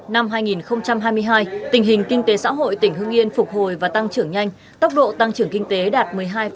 năm hai nghìn hai mươi hai tình hình kinh tế xã hội tỉnh hương yên phục hồi và tăng trưởng nhanh tốc độ tăng trưởng kinh tế đạt một mươi hai tám mươi bốn